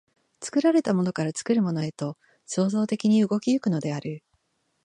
作られたものから作るものへと創造的に動き行くのである。